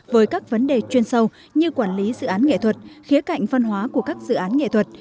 với các vấn đề chuyên sâu như quản lý dự án nghệ thuật khía cạnh văn hóa của các dự án nghệ thuật